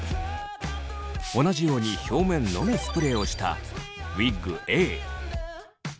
同じように表面のみスプレーをしたウィッグＡ。